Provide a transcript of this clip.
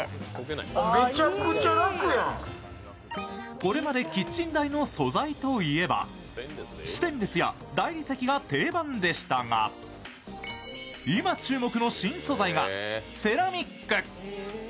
これまでキッチン台の素材といえばステンレスや大理石が定番でしたが、今注目の新素材がセラミック。